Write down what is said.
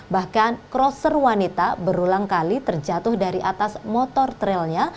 bahkan crosser wanita berulang kali terjatuh dari atas motor trailnya